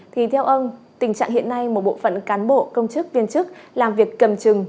thì theo ông tình trạng hiện nay một bộ phận cán bộ công chức viên chức làm việc cầm chừng